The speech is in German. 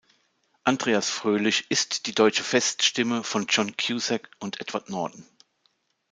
Andreas Fröhlich ist die deutsche Feststimme von John Cusack und Edward Norton.